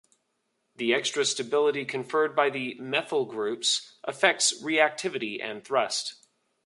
The extra stability conferred by the methyl groups affects reactivity and thrust.